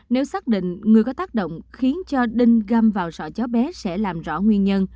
nếu xác định người có tác động khiến cho đinh gâm vào sọ chó bé sẽ làm rõ nguyên nhân